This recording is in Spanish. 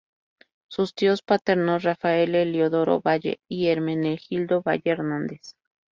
Sus tíos paternos, Rafael Heliodoro Valle y Hermenegildo Valle Hernández.